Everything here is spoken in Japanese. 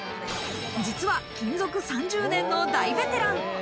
実は勤続３０年の大ベテラン。